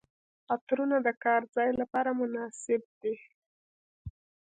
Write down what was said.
عطرونه د کار ځای لپاره مناسب دي.